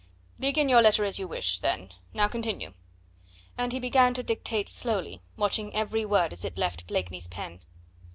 "Begin your letter as you wish, then; now continue." And he began to dictate slowly, watching every word as it left Blakeney's pen.